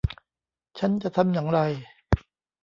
ฉันจะทำอย่างไร